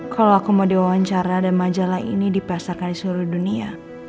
kalau aku mau diwawancara dan majalah ini dipesakan di seluruh dunia